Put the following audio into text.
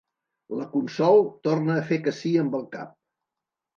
La Consol torna a fer que sí amb el cap.